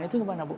itu bagaimana bu